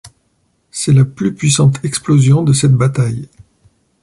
C'est la plus puissante explosion de cette bataille.